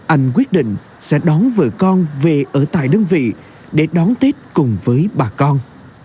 anh quyết định sẽ đón vợ con về ở tại đơn vị để đón tết cùng với bà con